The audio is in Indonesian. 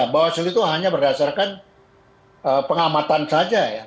bawaslu itu hanya berdasarkan pengamatan saja ya